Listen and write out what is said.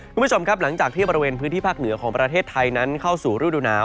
คุณผู้ชมครับหลังจากที่บริเวณพื้นที่ภาคเหนือของประเทศไทยนั้นเข้าสู่ฤดูหนาว